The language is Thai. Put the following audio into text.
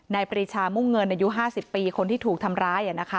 ในปริชามุ่งเงินอายุห้าสิบปีคนที่ถูกทำร้ายอ่ะนะคะ